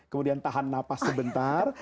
kemudian tahan nafas sebentar